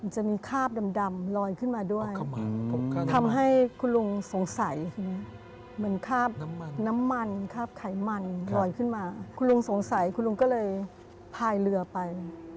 จะมีคาบดำลอยขึ้นมาด้วยทำให้คุณลุงสงสัยเหมือนคราบน้ำมันคราบไขมันลอยขึ้นมาคุณลุงสงสัยคุณลุงก็เลยพายเรือไป